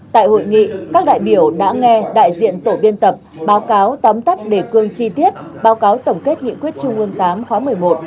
tại hội nghị các đại biểu đã nghe đại diện tổ biên tập báo cáo tóm tắt đề cương chi tiết báo cáo tổng kết nghị quyết trung ương viii khóa một mươi một